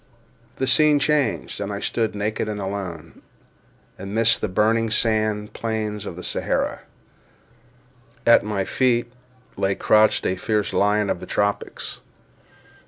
The scene changed; and I stood, naked and alone, amidst the burning sand plains of Sahara. At my feet lay crouched a fierce lion of the tropics.